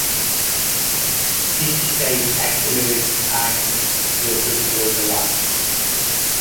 Each type accelerates ions to a particular velocity.